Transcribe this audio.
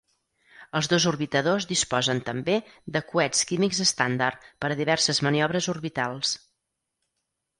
Els dos orbitadors disposen també de coets químics estàndard per a diverses maniobres orbitals.